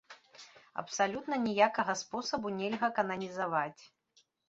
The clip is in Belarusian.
Абсалютна ніякага спосабу нельга кананізаваць.